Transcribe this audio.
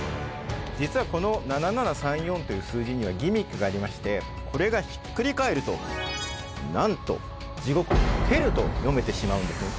じつはこの７７３４という数字にはギミックがありましてこれがひっくり返るとなんと地獄ｈｅｌｌと読めてしまうんですね。